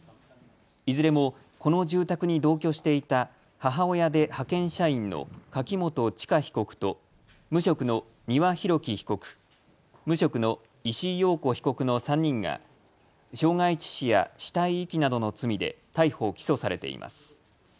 いずれもこの住宅に同居していた母親で派遣社員の柿本知香被告と無職の丹羽洋樹被告、無職の石井陽子被告の３人が傷害致死や死体遺棄などの罪で逮捕・起訴されています。